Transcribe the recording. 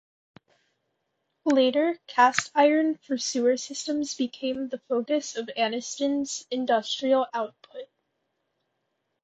Later, cast iron for sewer systems became the focus of Anniston's industrial output.